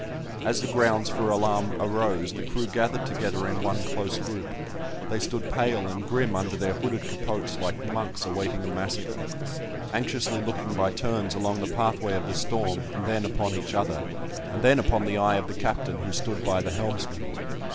As the grounds for alarm arose, the crew gathered together in one close group; they stood pale and grim under their hooded capotes like monks awaiting a massacre, anxiously looking by turns along the pathway of the storm and then upon each other, and then upon the eye of the captain who stood by the helmsman.